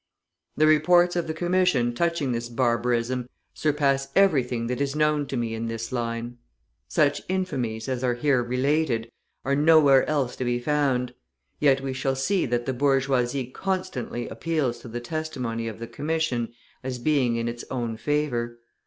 The reports of the Commission touching this barbarism surpass everything that is known to me in this line. Such infamies, as are here related, are nowhere else to be found yet we shall see that the bourgeoisie constantly appeals to the testimony of the Commission as being in its own favour.